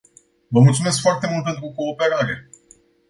Vă mulțumesc foarte mult pentru cooperare.